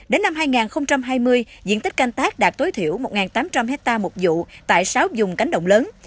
đến năm hai nghìn hai mươi diện tích canh tác đạt tối thiểu một tám trăm linh hectare một vụ tại sáu dùng cánh động lớn